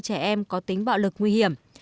trẻ em có tính bạo lực nguy hiểm